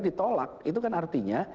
ditolak itu kan artinya